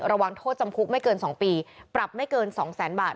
ระวังโทษจำคุกไม่เกิน๒ปีปรับไม่เกิน๒แสนบาท